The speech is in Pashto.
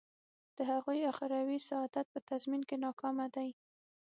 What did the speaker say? د هغوی اخروي سعادت په تضمین کې ناکامه دی.